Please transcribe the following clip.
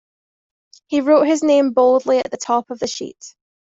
He wrote his name boldly at the top of the sheet.